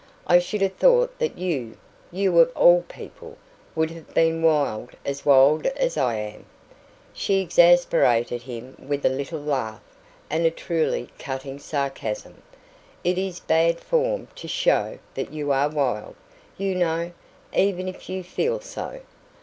"I should have thought that you YOU of all people would have been wild as wild as I am." She exasperated him with a little laugh and a truly cutting sarcasm. "It is bad form to SHOW that you are wild, you know, even if you feel so."